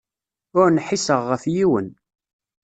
Ur nḥiseɣ ɣef yiwen!